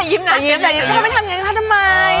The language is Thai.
ถ้าไปทำเยี่ยมงั้นทำไม